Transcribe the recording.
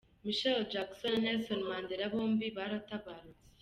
Michael Jackson na Nelson Mandela bombi baratabarutse.